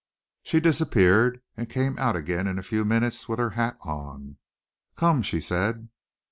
She disappeared, and came out again in a few minutes with her hat on. "Come," she said.